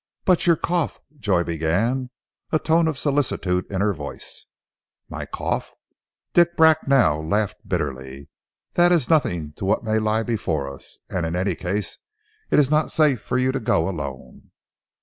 "But your cough " Joy began, a tone of solicitude in her voice. "My cough!" Dick Bracknell laughed bitterly. "That is nothing to what may lie before us, and in any case it is not safe for you to go alone."